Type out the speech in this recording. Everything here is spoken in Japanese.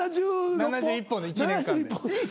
７１本１年間で。